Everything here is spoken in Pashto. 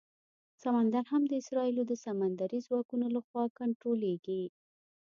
سمندر هم د اسرائیلو د سمندري ځواکونو لخوا کنټرولېږي.